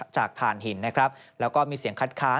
ถ่านหินนะครับแล้วก็มีเสียงคัดค้าน